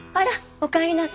おかえりなさい